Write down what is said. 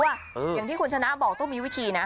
อย่างที่คุณชนะบอกต้องมีวิธีนะ